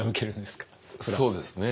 そうですね